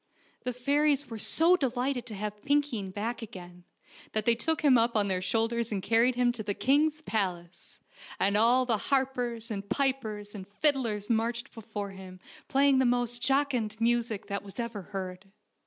The fairies were so delighted to have Pinkeen back again, that they took him up on their shoulders and car ried him to the king's palace, and all the harpers and pipers and fiddlers marched before him play ing the most jocund music that was ever heard.